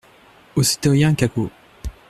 Au citoyen Cacault.